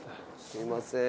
すいません。